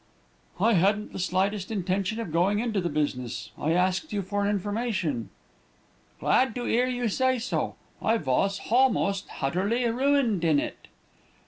"'I hadn't the slightest intention of going into the business. I asked you for information.' "'Glad to 'ear you say so. I vos halmost hutterly ruined in it.'